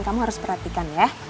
kamu harus perhatikan ya